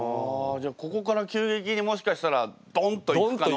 じゃあここから急激にもしかしたらドンといく可能性は。